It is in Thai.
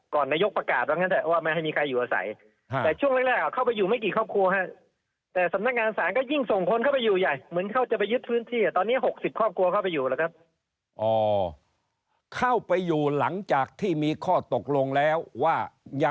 เข้าไปอยู่หลังจากที่มีข้อตกลงแล้วว่ายังไม่ให้เข้าไปอย่างซ้ายครับ